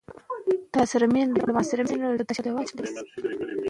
د کلوریز اخیستل او وخت یې دواړه مهم دي.